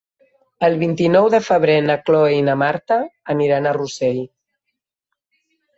El vint-i-nou de febrer na Cloè i na Marta aniran a Rossell.